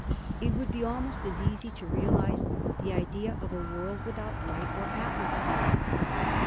It would be almost as easy to realise the idea of a world without light or atmosphere.